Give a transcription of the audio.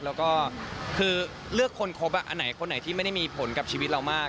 แล้วก็คือเลือกคนครบอันไหนคนไหนที่ไม่ได้มีผลกับชีวิตเรามาก